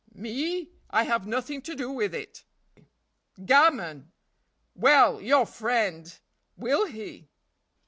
"Me? I have nothing to do with it." "Gammon! well, your friend! will he?"